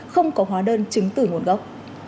không có hóa đơn chứng tử nguồn gốc